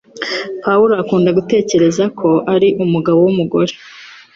Pawulo akunda gutekereza ko ari umugabo wumugore